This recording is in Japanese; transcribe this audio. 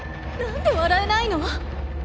何で笑えないの？